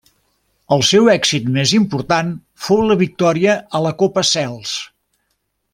El seu èxit més important fou la victòria a la Copa Sels.